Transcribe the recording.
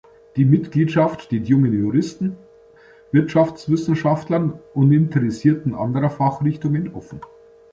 Die Mitgliedschaft steht jungen Juristen, Wirtschaftswissenschaftlern und Interessierten anderer Fachrichtungen offen.